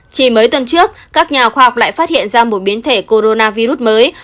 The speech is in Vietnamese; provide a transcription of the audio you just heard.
chỉ mấy tuần trước các nhà khoa học lại phát hiện ra một biến thể coronavirus mới